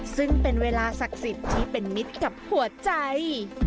ซึ่งเป็นเวลาศักดิ์สิทธิ์ที่เป็นมิตรกับหัวใจ